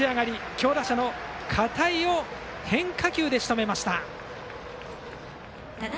強打者の片井を変化球でしとめました。